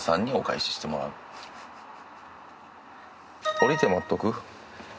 降りて待っとく？